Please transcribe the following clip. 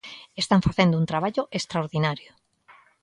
Están facendo un traballo extraordinario.